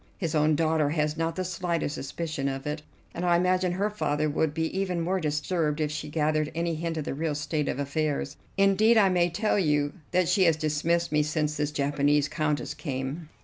His own daughter has not the slightest suspicion of it, and I imagine her father would be even more disturbed if she gathered any hint of the real state of affairs. Indeed, I may tell you that she has dismissed me since this Japanese Countess came."